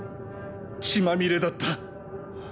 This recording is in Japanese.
血まみれだった。